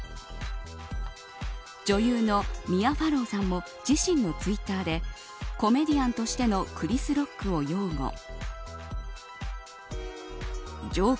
女優のミア・ファローさんも自身のツイッターでコメディアンとしてのクリス・ロックを擁護。